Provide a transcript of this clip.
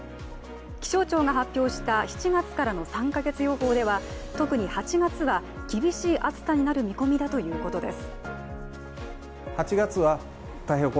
気象庁が発表した７月からの３か月予報では、特に８月は厳しい暑さになる見込みだということです。